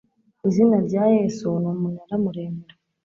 izina rya yesu numunara muremure